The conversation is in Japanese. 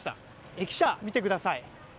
駅舎、見てください。